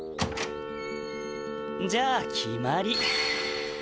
じゃあ決まり。